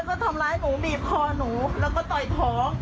แล้วมันก็ทำร้ายหนูบีบคอหนูแล้วต่อท้อง